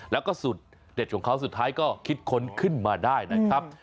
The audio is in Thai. แล้วก็สูตรเด็ดของเขาสุดท้ายก็คิดค้นขึ้นมาได้นะครับ